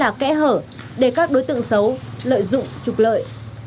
hành vi của mình sẽ là kẽ hở để các đối tượng xấu lợi dụng trục lợi